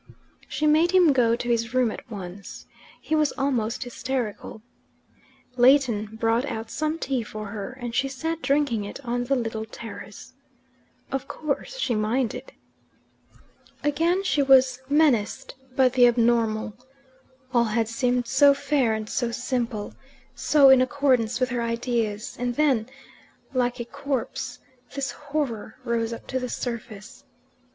She made him go to his room at once: he was almost hysterical. Leighton brought out some tea for her, and she sat drinking it on the little terrace. Of course she minded. Again she was menaced by the abnormal. All had seemed so fair and so simple, so in accordance with her ideas; and then, like a corpse, this horror rose up to the surface.